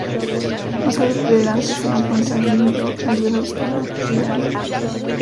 Más adelante se lo encuentran en New York y ayuda a buscar a Kirari.